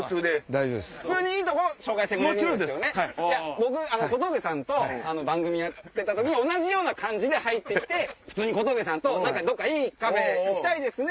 僕小峠さんと番組やってた時同じような感じで入って来て普通に小峠さんといいカフェ行きたいですね！